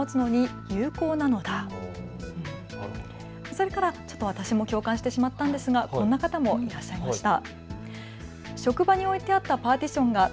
それから私も共感してしまったんですがこんな方もいらっしゃいました。